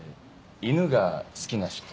「犬が好きな人」。